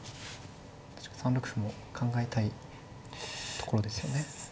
確かに３六歩も考えたいところですよね。